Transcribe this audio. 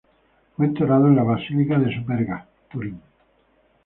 Fue enterrado en la Basílica de Superga, Turín.